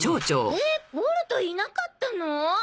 えっボルトいなかったの！？